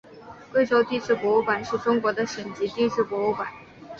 贵州地质博物馆是中国的省级地质博物馆。